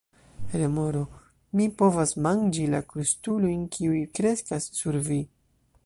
Remoro: "Mi povas manĝi la krustulojn kiuj kreskas sur vi."